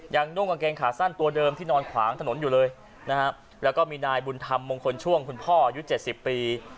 นุ่งกางเกงขาสั้นตัวเดิมที่นอนขวางถนนอยู่เลยนะฮะแล้วก็มีนายบุญธรรมมงคลช่วงคุณพ่ออายุเจ็ดสิบปี